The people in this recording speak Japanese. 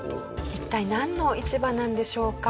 一体なんの市場なんでしょうか？